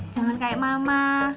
jangan kayak mama